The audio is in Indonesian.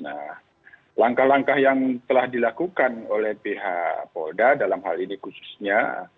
nah langkah langkah yang telah dilakukan oleh pihak polda dalam hal ini khususnya